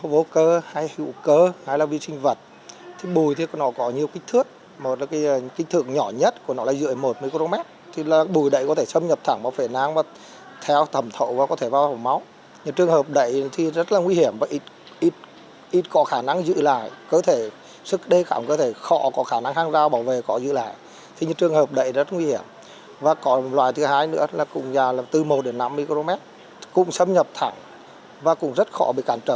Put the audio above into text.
và còn loài thứ hai nữa là từ một đến năm micromet cũng xâm nhập thẳng và cũng rất khó bị cản trở